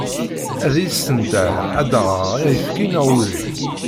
Ad iyi-tessendeh ad d-aɣeɣ ayefki neɣ udi.